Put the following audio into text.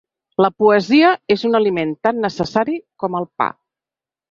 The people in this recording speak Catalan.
La poesia és un aliment tan necessari com el pa.